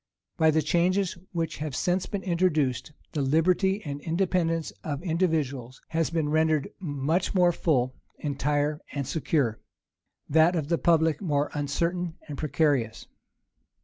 By the changes which have since been introduced, the liberty and independence of individuals has been rendered much more full, entire and secure; that of the public more uncertain and precarious.